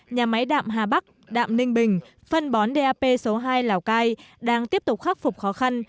nhà máy đạm hà bắc đạm ninh bình phân bón dap số hai lào cai đang tiếp tục khắc phục khó khăn